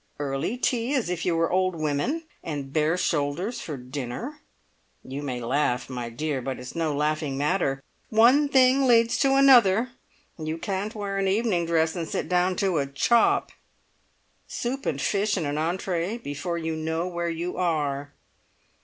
Early tea, as if you were old women, and bare shoulders for dinner. You may laugh, my dear, but it's no laughing matter. One thing leads to another. You can't wear an evening dress and sit down to a chop. Soup and fish and an entree before you know where you are.